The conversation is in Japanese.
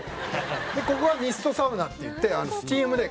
「ここはミストサウナっていってスチームで」